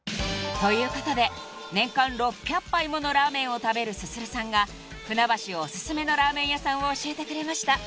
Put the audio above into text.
［ということで年間６００杯ものラーメンを食べるＳＵＳＵＲＵさんが船橋おすすめのラーメン屋さんを教えてくれました］